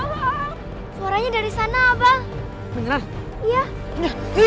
kau tenang sajalah